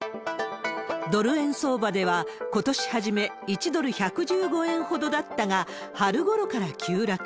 ドル円相場では、ことし初め、１ドル１１５円ほどだったが、春ごろから急落。